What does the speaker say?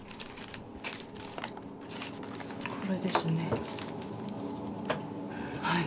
これですねはい。